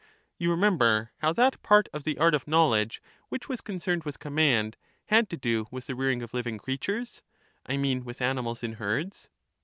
You remember how that part of the art of knowledge which was concerned with command, had to do with the rearing of living creatures, — I mean, with animals in herds